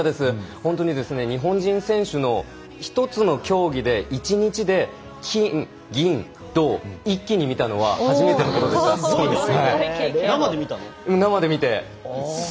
本当に日本人選手の１つの競技で１日で金、銀、銅一気に見たのは生で見たの？